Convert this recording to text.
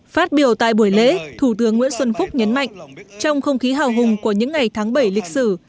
phát biểu tại buổi lễ thủ tướng nguyễn xuân phúc nhấn mạnh trong không khí hào hùng của những ngày tháng bảy lịch sử